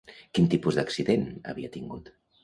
Quin tipus d'accident havia tingut?